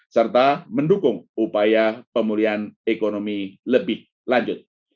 serta mendukung upaya pemulihan ekonomi lebih lanjut